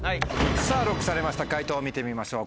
さぁＬＯＣＫされました解答見てみましょう。